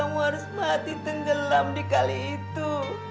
kau harus mati tenggelam dikali itu